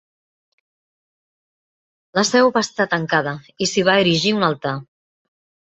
La seu va estar tancada, i s'hi va erigir un altar